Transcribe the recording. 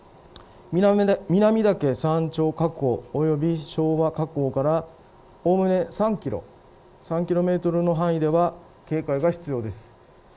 南岳山頂火口および昭和火口からおおむね３キロの範囲では警戒が必要です。